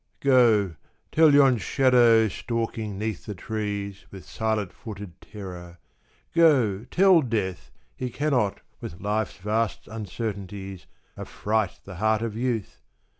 Go tell yon shadow stalking 'neath the trees With silent footed terror, go tell Death He cannot with Life's vast uncertainties Affright the heart of Youth